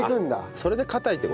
それで硬いって事？